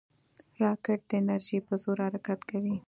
راکټ د انرژۍ په زور حرکت کوي